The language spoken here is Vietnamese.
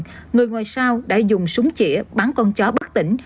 trong đoạn video clip ghi lại người ngồi sau đã dùng súng chỉa bắn con chó bất tỉnh